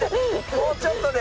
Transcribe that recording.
もうちょっとで。